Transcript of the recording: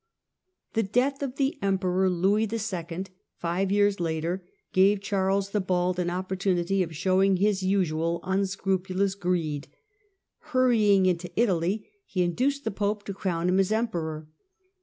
The death of the Emperor Louis II., five years later, gave Charles the Bald an opportunity of showing his usual unscrupulous greed. Hurrying into Italy, he induced the Pope to crown him as Emperor.